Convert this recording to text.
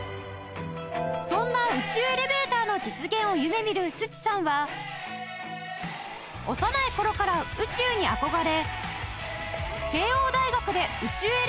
そんな宇宙エレベーターの実現を夢見る須知さんは幼い頃から宇宙に憧れ